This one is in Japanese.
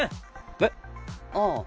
えっ？ああ。